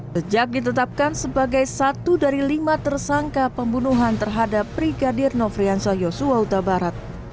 sejak ditetapkan sebagai satu dari lima tersangka pembunuhan terhadap brigadir nofrian sayosu wautabarat